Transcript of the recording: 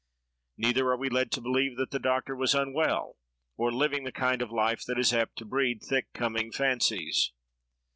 Neither are we led to believe that the doctor was unwell, or living the kind of life that is apt to breed thick coming fancies.